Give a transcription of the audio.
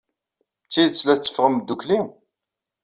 D tidet la tetteffɣem ddukkli?